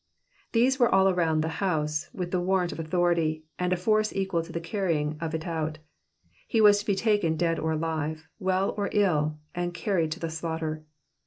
'*'* They were all round the house with the warrant of authority, and a force equal to the carrying of it out. He was to be taken dead or alive, well or ill, and carried to the slaughter.